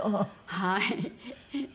はい。